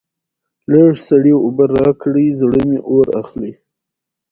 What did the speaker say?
لږ سړې اوبه راکړئ؛ زړه مې اور اخلي.